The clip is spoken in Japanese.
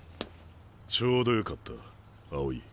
ちょうどよかった青井。